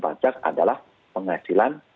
pajak adalah penghasilan